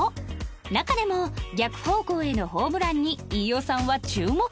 中でも逆方向へのホームランに飯尾さんは注目